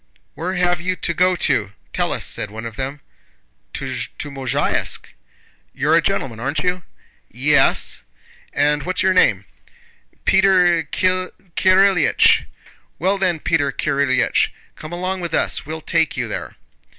"Where have you to go to? Tell us!" said one of them. "To Mozháysk." "You're a gentleman, aren't you?" "Yes." "And what's your name?" "Peter Kirílych." "Well then, Peter Kirílych, come along with us, we'll take you there."